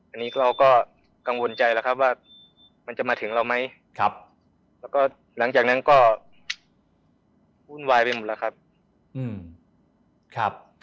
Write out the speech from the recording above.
อันนี้เราก็กังวลใจแล้วครับว่ามันจะมาถึงเราไหมครับแล้วก็หลังจากนั้นก็วุ่นวายไปหมดแล้วครับ